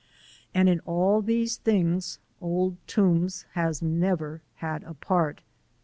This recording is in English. And in all these things Old Toombs has never had a part.